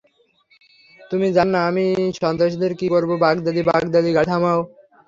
তুমি যাননা আমি সন্ত্রাসীদের কি করবো বাগদাদ্বি বাগদ্বাদি গাড়ি থামাও!